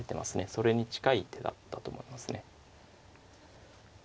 それに近い手だったと思いますね。